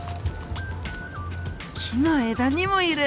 木の枝にもいる！